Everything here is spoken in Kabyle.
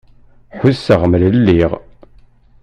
Ḥusseɣ mlelliɣ.